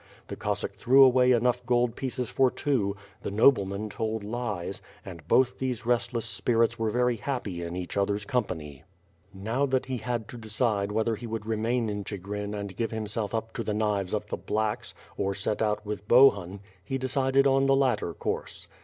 The Cossack threw away enough gold pieces for two; the nobleman told lies, and both these restless spirits were very happy in each other's company. Now, that he had to decide whether he would remain in Chigrin and give himself up to the knives of the ^'blacks," or set out with Bohun; he decided on the latter course.